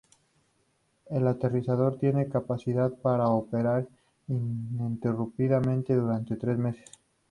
El aterrizador tiene capacidad para operar ininterrumpidamente durante tres meses.